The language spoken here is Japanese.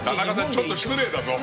ちょっと失礼だよ。